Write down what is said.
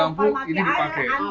kalau mati lampu ini dipakai